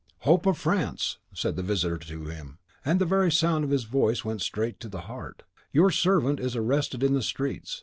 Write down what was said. "Hope of France!" said the visitor to him, and the very sound of his voice went straight to the heart, "your servant is arrested in the streets.